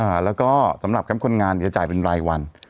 อ่าแล้วก็สำหรับแคมป์คนงานจะจ่ายเป็นรายวัน